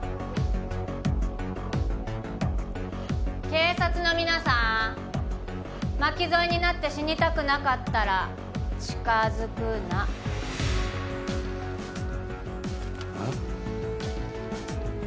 警察の皆さん巻き添えになって死にたくなかったら近づくなああ？